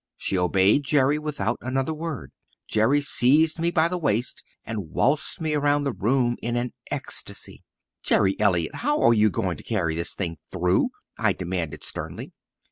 She obeyed Jerry without another word. Jerry seized me by the waist and waltzed me around the room in an ecstasy. "Jerry Elliott, how are you going to carry this thing through?" I demanded sternly.